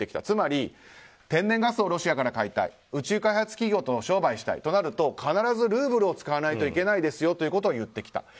つまり天然ガスをロシアから買いたい宇宙開発企業と商売したいとなると必ずルーブルを使わないといけないですよと言ってきた。